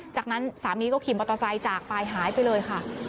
จากนั้นสามีก็ขี่มอเตอร์ไซค์จากไปหายไปเลยค่ะ